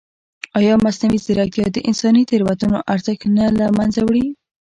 ایا مصنوعي ځیرکتیا د انساني تېروتنو ارزښت نه له منځه وړي؟